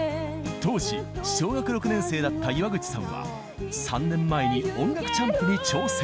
当時小学６年生だった岩口さんは３年前に『音楽チャンプ』に挑戦。